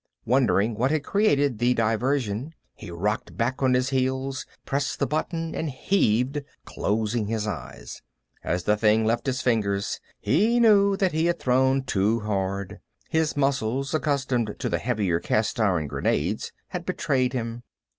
Wondering what had created the diversion, he rocked back on his heels, pressed the button, and heaved, closing his eyes. As the thing left his fingers, he knew that he had thrown too hard. His muscles, accustomed to the heavier cast iron grenades, had betrayed him.